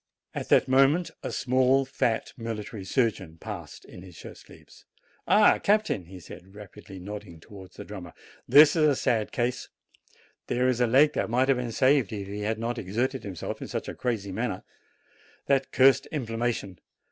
At that moment a small, fat, military surgeon passed, in his shirt sleeves. "Ah, captain," he said, rapidly, nodding towards the drummer, "this is a sad case; there is a leg that might have been saved if he had not exerted himself in such a crazy manner that cursed inflammation